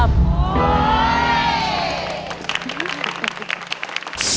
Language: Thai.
ถูก